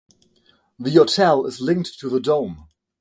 The hotel is linked to the Dome.